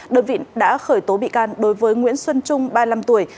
đội viện đã khởi tố bị can đối với nguyễn xuân trung ba mươi năm tuổi